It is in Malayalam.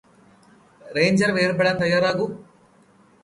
റേഞ്ചര് വേര്പെടാന് തയ്യാറാകൂ